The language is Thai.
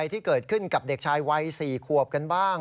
ที่เกิดขึ้นกับเด็กชายวัย๔ขวบกันบ้าง